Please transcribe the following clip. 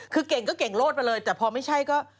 คือเก่งก็เก่งโลดไปเลยแต่พอไม่ใช่ก็